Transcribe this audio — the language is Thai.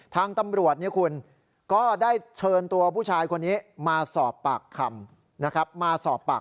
ทางตำรวจคุณก็ได้เชิญตัวผู้ชายคนนี้มาสอบปากคำ